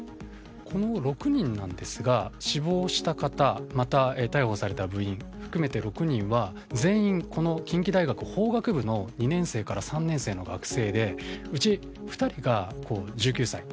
この６人ですが死亡した方また逮捕された部員含めて６人は全員、近畿大学法学部の２年生から３年生の学生で内２人が１９歳。